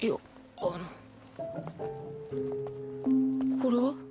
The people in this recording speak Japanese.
これは？